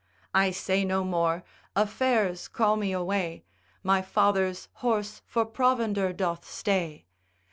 I say no more, affairs call me away, My father's horse for provender doth stay.